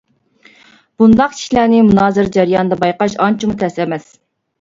بۇنداق كىشىلەرنى مۇنازىرە جەريانىدا بايقاش ئانچىمۇ تەس ئەمەس.